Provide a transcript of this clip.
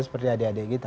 seperti adik adik kita